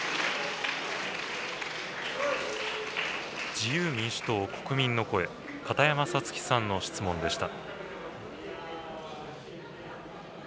自由民主党・国民の声、片山さつきさんの質問でした。